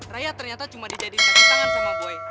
raya ternyata cuma dijadiin kacetangan sama boy